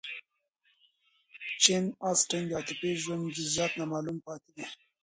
د جین اسټن د عاطفي ژوند جزئیات نامعلوم پاتې دي.